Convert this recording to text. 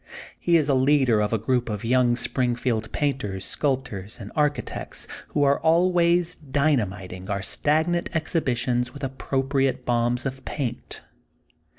He is a leader of a gronp of young Springfield painters, sculptors, and architects who are always dynamiting our stagnant exhibitions with appropriate bombs of paint.